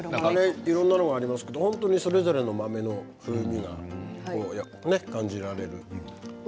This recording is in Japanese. いろんなものがありますけどそれぞれの豆の風味が感じられる。